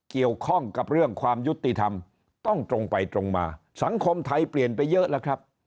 เกี่ยวข้องกับเรื่องความยุติธรรมต้องตรงไปตรงมาสังคมไทยเปลี่ยนไปเยอะแล้วครับ